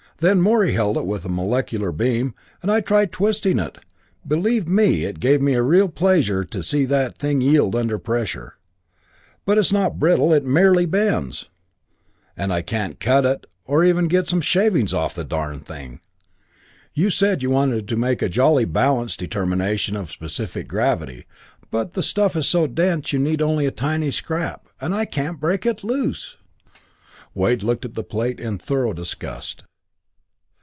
Then Morey held it with a molecular beam, and I tried twisting it. Believe me, it gave me real pleasure to see that thing yield under the pressure. But it's not brittle; it merely bends. "And I can't cut it, or even get some shavings off the darned thing. You said you wanted to make a Jolly balance determination of the specific gravity, but the stuff is so dense you'd need only a tiny scrap and I can't break it loose!" Wade looked at the plate in thorough disgust.